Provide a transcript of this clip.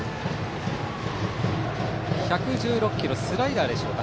１１６キロスライダーでしょうか。